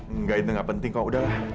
enggak itu gak penting kok udahlah